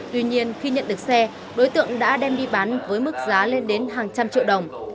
tuy nhiên khi nhận được xe đối tượng đã đem đi bán với mức giá lên đến hàng trăm triệu đồng